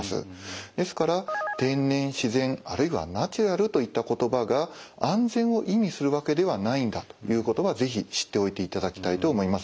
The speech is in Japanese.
ですから天然自然あるいはナチュラルといった言葉が安全を意味するわけではないんだということは是非知っておいていただきたいと思います。